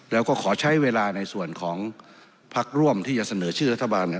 แล้วก็ขอใช้เวลาในส่วนของพักร่วมที่จะเสนอชื่อรัฐบาล